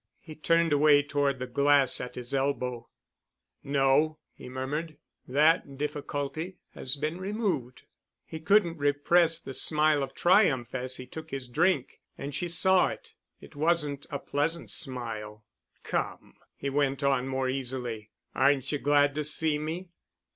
He turned away toward the glass at his elbow, "No," he murmured, "that difficulty—has been removed." He couldn't repress the smile of triumph as he took his drink, and she saw it. It wasn't a pleasant smile. "Come," he went on more easily, "aren't you glad to see me?"